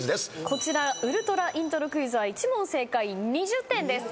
こちら超ウルトライントロクイズは１問正解２０点です。